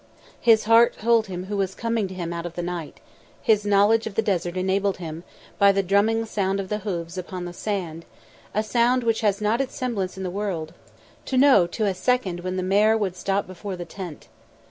His heart told him who was coming to him out of the night; his knowledge of the desert enabled him, by the drumming sound of the hoofs upon the sand a sound which has not its semblance in the world to know to a second when the mare would stop before the tent.